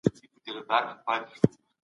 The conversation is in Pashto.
د وروسته پاته والي علتونه باید په نښه سي.